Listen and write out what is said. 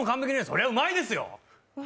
そりゃうまいですよ！